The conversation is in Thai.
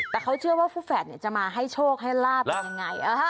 แต่เขาเชื่อว่าผู้แฝดจะมาให้โชคให้ลาบกันยังไง